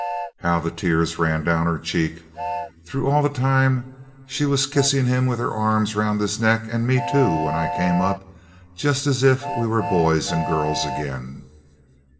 How the tears ran down her cheeks, though all the time she was kissing him with her arms round his neck; and me too, when I came up, just as if we were boys and girls again.